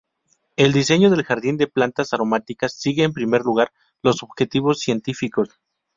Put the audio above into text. El diseño del jardín de plantas aromáticas sigue en primer lugar los objetivos científicos.